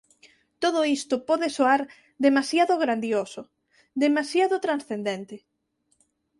Todo isto pode soar demasiado grandioso, demasiado transcendente.